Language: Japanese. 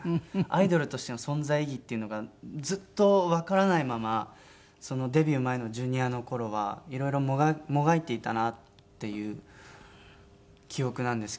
アイドルとしての存在意義っていうのがずっとわからないままデビュー前のＪｒ．の頃はいろいろもがいていたなっていう記憶なんですけど。